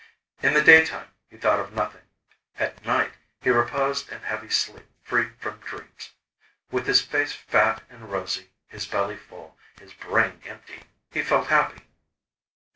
In the daytime, he thought of nothing; at night, he reposed in heavy sleep free from dreams. With his face fat and rosy, his belly full, his brain empty, he felt happy.